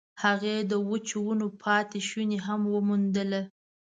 هغې د وچو ونو پاتې شوني هم وموندل.